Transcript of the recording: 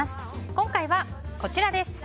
今回はこちらです。